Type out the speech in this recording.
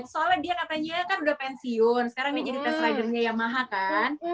soalnya dia katanya kan udah pensiun sekarang dia jadi test ridernya yamaha kan